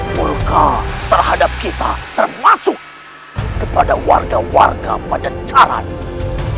murka terhadap kita termasuk kepada warga warga pada caranya